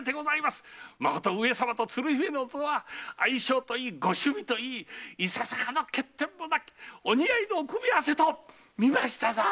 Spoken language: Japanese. まこと上様と鶴姫殿とは相性といいご趣味といいいささかの欠点もなきお似合いのお組み合わせとみましたぞ！